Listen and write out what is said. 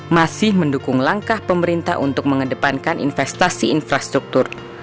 masih mendukung langkah pemerintah untuk mengedepankan investasi infrastruktur